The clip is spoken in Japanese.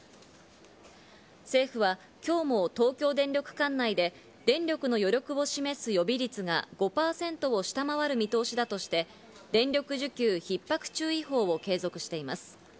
政府は今日も東京電力管内で電力の余力を示す予備率が５％を下回る見通しだとして、電力需給ひっ迫注意報を継続しています。